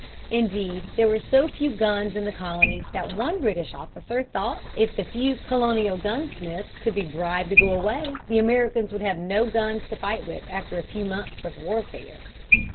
Indeed, there were so few guns in the colonies that one British officer thought if the few colonial gunsmiths could be bribed to go away, the Americans would have no guns to fight with after a few months of warfare.